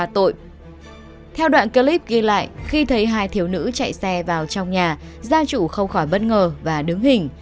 trong clip ghi lại khi thấy hai thiếu nữ chạy xe vào trong nhà gia trụ không khỏi bất ngờ và đứng hình